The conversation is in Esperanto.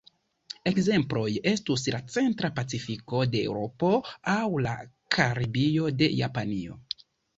Ekzemploj estus la Centra Pacifiko de Eŭropo aŭ la Karibio de Japanio.